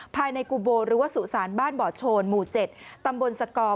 ภายในกุโบหรือว่าสุสานบ้านบ่อโชนหมู่๗ตำบลสกอร์